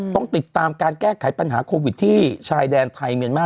ต้องติดตามการแก้ไขปัญหาโควิดที่ชายแดนไทยเมียนมา